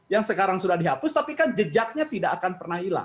yang sekarang sudah dihapus tapi kan jejaknya tidak akan pernah hilang